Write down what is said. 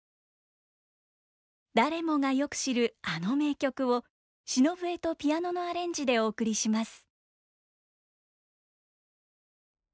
誰もがよく知るあの名曲を篠笛とピアノのアレンジでお送りします。